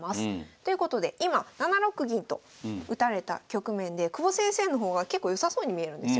ということで今７六銀と打たれた局面で久保先生の方が結構良さそうに見えるんですよ。